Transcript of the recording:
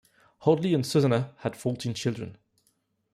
Hoadley and Susannah had fourteen children.